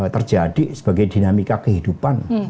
terjadi sebagai dinamika kehidupan